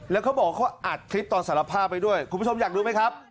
แล้วเขาบอกเขาอัดคลิปตอนสารภาพไว้ด้วยคุณผู้ชมอยากรู้ไหมครับ